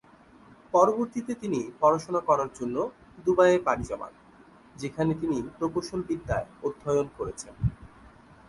পরবর্তীতে তিনি পড়াশুনা করার জন্য দুবাইয়ে পাড়ি জমান, যেখানে তিনি প্রকৌশলবিদ্যায় অধ্যয়ন করেছেন।